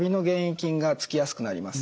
菌がつきやすくなります。